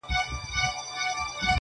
• د سترگو تور مي د ايستو لائق دي.